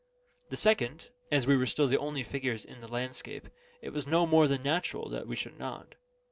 The second, as we were still the only figures in the landscape, it was no more than natural that we should nod.